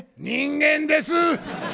人間です！